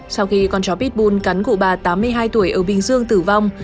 sau khi con chó pitbull cắn cụ bà tám mươi hai tuổi ở bình dương tử vong